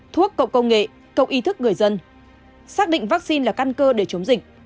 thuốc cộng công nghệ cộng ý thức người dân xác định vaccine là căn cơ để chống dịch